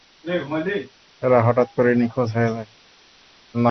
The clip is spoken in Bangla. এরা হঠাৎ করেই নিখোঁজ হয়ে যায়।